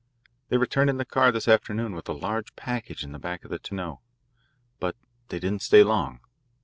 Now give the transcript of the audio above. "They returned in the car this afternoon with a large package in the back of the tonneau. But they didn't stay long.